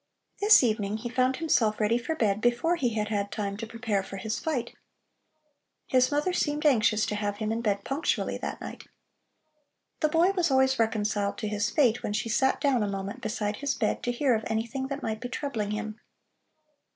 This evening he found himself ready for bed before he had had time to prepare for his fight. His mother seemed anxious to have him in bed punctually that night. The boy was always reconciled to his fate when she sat down a moment beside his bed to hear of anything that might be troubling him.